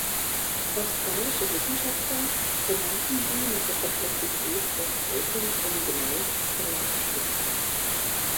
Australische Wissenschaftler benannten sie nach der Komplexität der Faltung im Gneis der Landspitze.